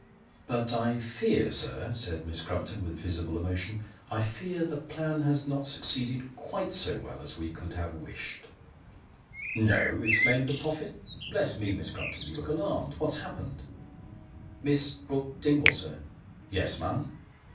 " But I fear, sir," said Miss Crumpton, with visible emotion, " I fear the plan has not succeeded, quite so well as we could have wished." " No !" exclaimed the prophet. " Bless me ! Miss Crumpton, you look alarmed. What has happened ?"" Miss Brook Dingwall, sir "" Yes, ma'am ?